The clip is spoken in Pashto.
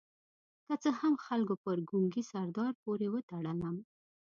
که څه هم خلکو پر ګونګي سردار پورې وتړلم.